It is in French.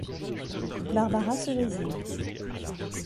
Barbara se résigne.